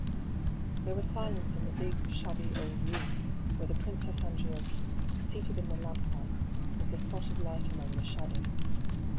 There was silence in the big, shabby old room, where the Princess Andriocchi, seated in the lamplight, was the spot of light among the shadows.